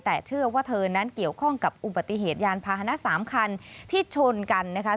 แต่เชื่อว่าเธอนั้นเกี่ยวข้องกับอุบัติเหตุยานพาหนะ๓คันที่ชนกันนะคะ